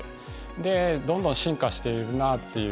でどんどん進化しているなあっていう。